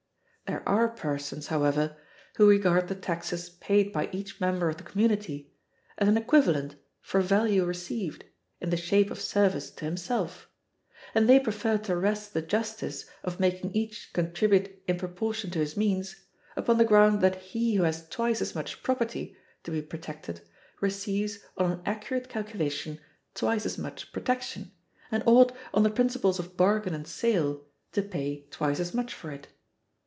There are persons, however, who regard the taxes paid by each member of the community as an equivalent for value received, in the shape of service to himself; and they prefer to rest the justice of making each contribute in proportion to his means upon the ground that he who has twice as much property to be protected receives, on an accurate calculation, twice as much protection, and ought, on the principles of bargain and sale, to pay twice as much for it.